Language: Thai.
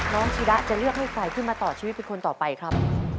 ชีดะจะเลือกให้ใครขึ้นมาต่อชีวิตเป็นคนต่อไปครับ